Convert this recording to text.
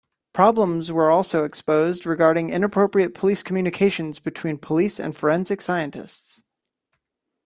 Problems were also exposed regarding inappropriate police communications between police and forensic scientists.